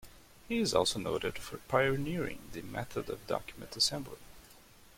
He is also noted for pioneering the method of document assembly.